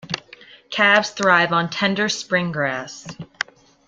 Calves thrive on tender spring grass.